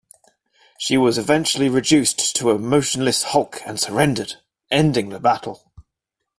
She was eventually reduced to a motionless hulk and surrendered, ending the battle.